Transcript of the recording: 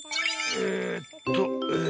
えっとえ。